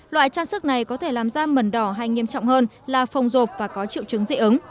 loại trang sức này có thể làm da mần đỏ hay nghiêm trọng hơn là phồng rộp và có triệu chứng dị ứng